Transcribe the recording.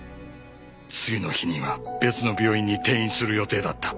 次の日には別の病院に転院する予定だった。